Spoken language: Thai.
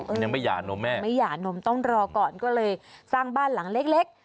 ยังไม่หย่านมแม่ไม่หย่านมต้องรอก่อนก็เลยสร้างบ้านหลังเล็กเล็ก